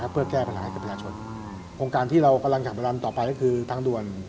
เพื่อแก้ปัญหาให้กับประชาชนโครงการที่เรากำลังขับประจำต่อไปก็คือทางด่วน